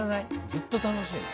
ずっと楽しいの？